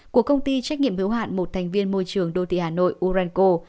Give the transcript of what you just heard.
của công ty trách nhiệm hiếu hạn một thành viên môi trường đô thị hà nội uranco